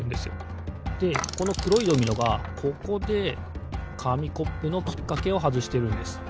でこのくろいドミノがここでかみコップのきっかけをはずしてるんです。